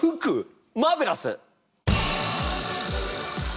マーベラス！